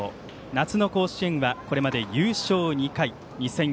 夏の甲子園はこれまで優勝２回。